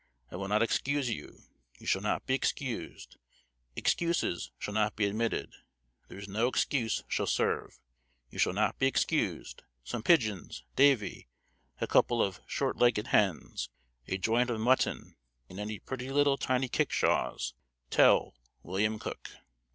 I will not excuse you; you shall not be excused; excuses shall not be admitted; there is no excuse shall serve; you shall not be excused.... Some pigeons, Davy, a couple of short legged hens; a joint of mutton; and any pretty little tiny kickshaws, tell 'William Cook.